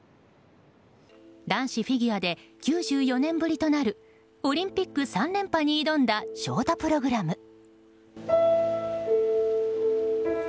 男子フィギュアで９４年ぶりとなるオリンピック３連覇に挑んだショートプログラム。